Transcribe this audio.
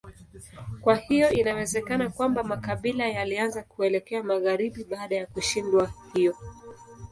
Kwa hiyo inawezekana kwamba makabila yalianza kuelekea magharibi baada ya kushindwa hivyo.